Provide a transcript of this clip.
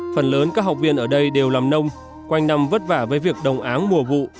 phần lớn các học viên ở đây đều làm nông quanh năm vất vả với việc đồng áng mùa vụ